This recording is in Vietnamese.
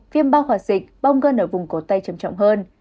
viêm bao hòa dịch bong ở vùng cổ tay trầm trọng hơn